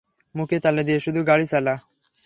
মুখে তালা দিয়ে শুধু গাড়ি চালা।